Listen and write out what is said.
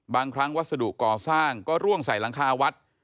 บางครั้งวัสดุก่อสร้างก็ร่วงใส่หลังคาวัด